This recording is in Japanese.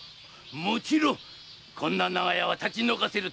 もちろんこんな長屋は立ち退かせる手筈です。